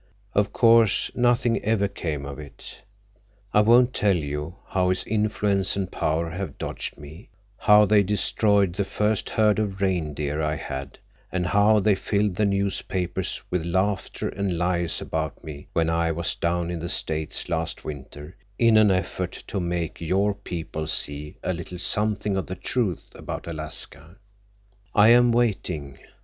Of course nothing ever came of it. I won't tell you how his influence and power have dogged me; how they destroyed the first herd of reindeer I had, and how they filled the newspapers with laughter and lies about me when I was down in the States last winter in an effort to make your people see a little something of the truth about Alaska. I am waiting.